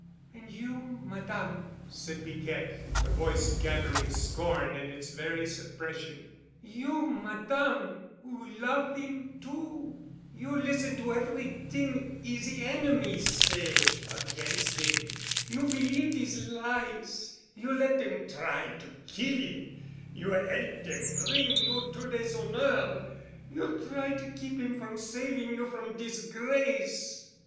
"And you, Madame," said Piquette, her voice gathering scorn in its very suppression. "You, Madame, who love 'im too, you listen to everyt'ing 'is enemies say agains' 'im—you believe dese lies, you let dem try to keel 'im, you 'elp dem bring you to déshonneur. You try to keep 'im from saving you from disgrace!